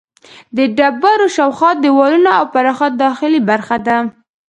د ډبرې شاوخوا دیوالونه او پراخه داخلي برخه ده.